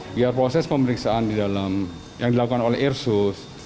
biar proses pemeriksaan yang dilakukan oleh irsus